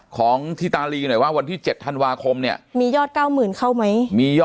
ของที่ตาลีหน่อยว่าวันที่๗ธันวาคมเนี่ยมียอด๙๐๐เข้าไหมมียอด